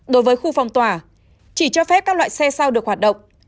đối với khu phong tỏa chỉ cho phép các loại xe sau được hoạt động